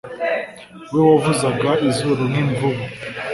we wavuzaga izuru nk’ imvubu,